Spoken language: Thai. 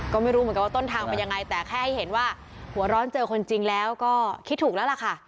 ก็ไม่รู้เหมือนกันว่าต้นทางเป็นยังไงแต่แค่ให้เห็นว่าหัวร้อนเจอคนจริงแล้วก็คิดถูกแล้วล่ะค่ะ